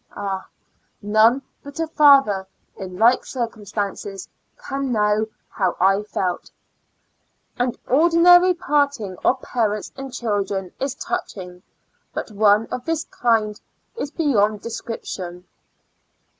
Ah, none but a father in like cir cumstances can know how I felt ! An ordinary parting of parents and children is touching; but one of this kind is beyond description.